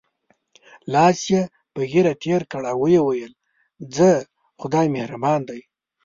لاس یې په ږیره تېر کړ او وویل: ځه خدای مهربان دی.